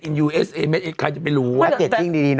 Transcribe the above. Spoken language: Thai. แล้วโตงบ้าจริงดีหน่อย